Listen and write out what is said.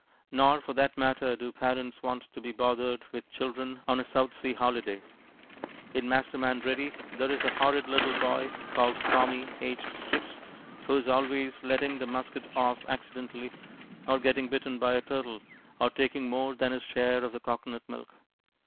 Nor for that matter do parents want to be bothered with children on a South Sea holiday. In Masterman Ready there is a horrid little boy called Tommy, aged six, who is always letting the musket off accidentally, or getting bitten by a turtle, or taking more than his share of the cocoanut milk.